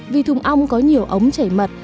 vì thùng ong có nhiều ống chảy mật